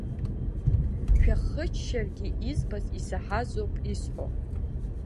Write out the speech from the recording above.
Шәахыччаргьы, избаз, исаҳазоуп исҳәо.